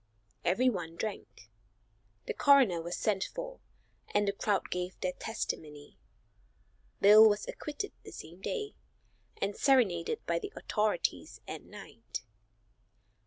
Everyone drank. The coroner was sent for and the crowd gave their testimony. Bill was acquitted the same day, and serenaded by the authorities at night.